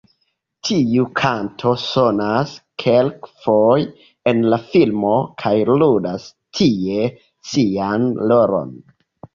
Tiu kanto sonas kelkfoje en la filmo kaj ludas tie sian rolon.